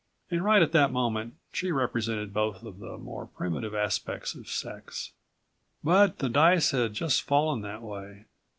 And right at the moment she represented both of the more primitive aspects of sex. But the dice had just fallen that way.